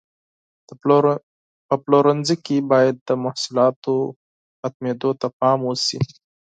په پلورنځي کې باید د محصولاتو ختمېدو ته پام وشي.